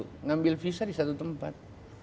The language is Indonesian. mengambil visa di satu tempat